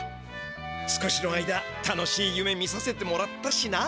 少しの間楽しいゆめ見させてもらったしな。